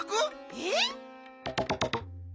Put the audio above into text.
えっ！